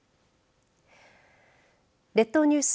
列島ニュース